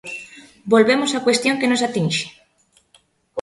Volvemos á cuestión que nos atinxe.